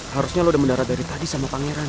harusnya lo udah mendarat dari tadi sama pangeran